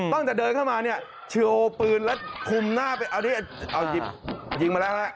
ตั้งแต่เดินเข้ามาเนี่ยชิวปืนแล้วคุมหน้าไปเอาหยิบยิงมาแล้วฮะ